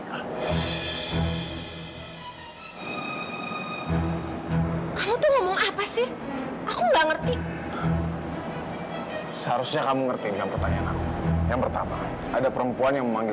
kalau misalnya aku deket sama orang yang just just mirip sama kamu